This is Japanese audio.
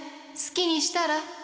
好きにしたら。